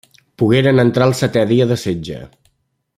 Pogueren entrar el setè dia de setge.